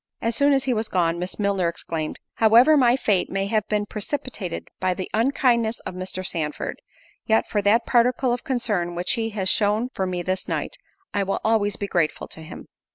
As soon as he was gone, Miss Milner exclaimed, "However my fate may have been precipitated by the unkindness of Mr. Sandford, yet, for that particle of concern which he has shown for me this night, I will always be grateful to him."